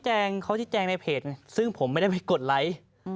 เขาชี้แจงในเพจซึ่งผมไม่ได้ไปกดไลค์